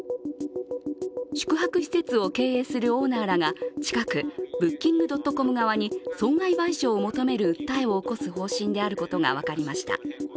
宿泊施設を経営するオーナーらが近く、Ｂｏｏｋｉｎｇ．ｃｏｍ側に損害賠償を求める訴えを起こす方針であることが分かりました。